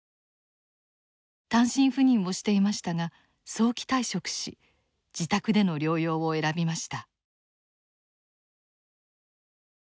単身赴任をしていましたが早期退職し自宅での療養を選びました。